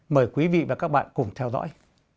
mời quý vị và các bạn cùng theo dõi